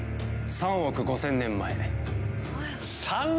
３億５，０００年前？